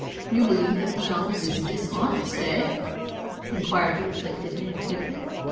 "You believe that Macdonald is dishonest, eh?" inquired the afflicted man quickly.